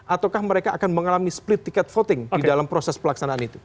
ataukah mereka akan mengalami split ticket voting di dalam proses pelaksanaan itu